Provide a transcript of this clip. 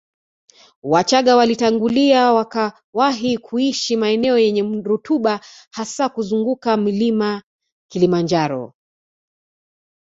Wachaga walitangulia wakawahi kuishi maeneo yenye rutuba hasa kuzunguka mlima Kilimanjaro